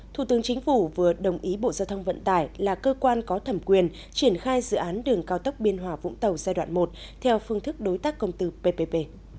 thủ tướng chính phủ vừa đồng ý bộ giao thông vận tải là cơ quan có thẩm quyền triển khai dự án đường cao tốc biên hòa vũng tàu giai đoạn một theo phương thức đối tác công tư ppp